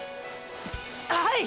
はい！！